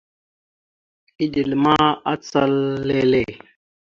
Eɗel ma, acal lele.